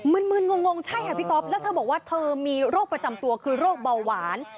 มึนงงใช่ค่ะพี่ก๊อฟแล้วเธอบอกว่าเธอมีโรคประจำตัวคือโรคเบาหวาน